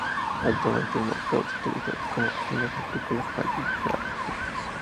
Actualmente el Moscas se utiliza con fines agrícolas, para regar huertas.